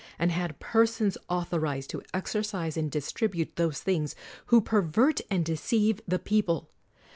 and had persons author ized to exercise and distribute those things, who pervert and deceive the people.